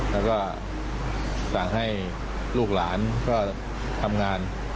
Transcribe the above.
แล้วก็สั่งให้ลูกหลานก็ทำงาน